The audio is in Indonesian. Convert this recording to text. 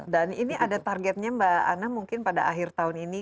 dan ini ada targetnya mbak anna mungkin pada akhir tahun ini